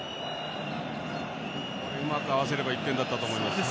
うまく合わせれば１点だったと思います。